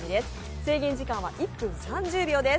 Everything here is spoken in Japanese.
制限時間は１分３０秒です。